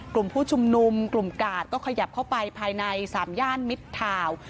กลุ่มผู้ชุมนุมกลุ่มกาดก็ขยับเข้าไปภายใน๓ย่านมิดทาวน์